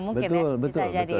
mungkin ya bisa jadi ya